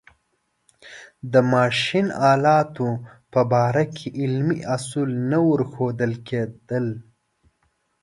د ماشین آلاتو په باره کې علمي اصول نه ورښودل کېدل.